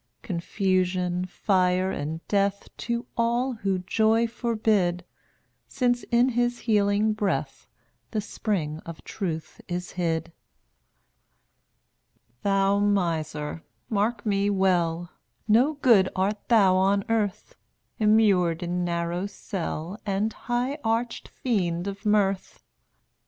Confusion, fire and death To all who Joy forbid, Since in his healing breath The spring of Truth is hid. 0Utt£ 209 Thou miser, mark me well, (fttttA? No good art thou on earth, zjl Immured in narrow cell vj££' And high arch fiend of Mirth.